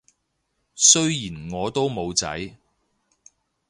雖然我都冇仔